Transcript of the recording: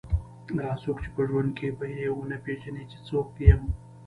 هغه څوک چې په ژوند کې به یې ونه پېژني چې زه څوک یم.